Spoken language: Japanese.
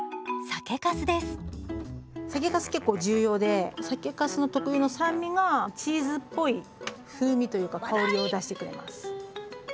酒かす結構重要で酒かすの特有の酸味がチーズっぽい風味というか香りを出してくれます。